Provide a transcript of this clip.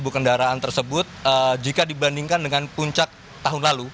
satu ratus dua kendaraan tersebut jika dibandingkan dengan puncak tahun lalu